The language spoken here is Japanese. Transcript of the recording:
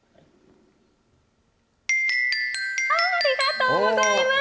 ありがとうございます。